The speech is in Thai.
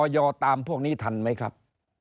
ตามพวกนี้ทันไหมครับ